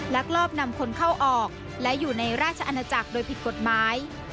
ลักลอบนำคนเข้าออกและอยู่ในราชอาณาจักรโดยผิดกฎหมาย